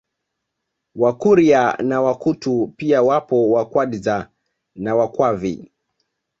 Wakuria na Wakutu pia wapo Wakwadza na Wakwavi